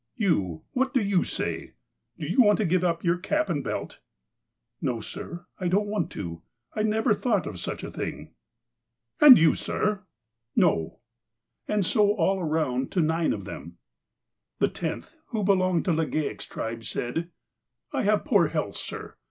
You — what do you say ? Do you want to give up your cap and belt 1 " "No, sir. I don't want to. I never thought of such a thing." "And you, sir?" 162 THE APOSTLE OF ALASKA ''No. And so all around to nine of them. The tenth, who belonged to Legale' s tribe, said :*' I have poor health, sir.